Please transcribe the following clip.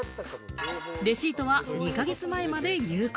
レシートは２か月前まで有効。